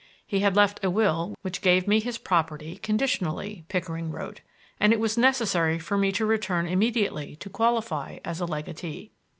He had left a will which gave me his property conditionally, Pickering wrote, and it was necessary for me to return immediately to qualify as legatee.